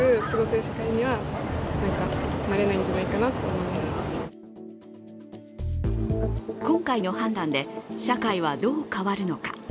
街の人は今回の判断で社会はどう変わるのか。